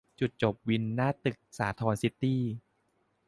จุดจบวินหน้าตึกสาธรซิตี้